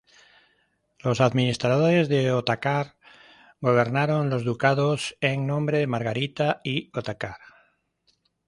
Los administradores de Otakar gobernaron los ducados en nombre de Margarita y Otakar.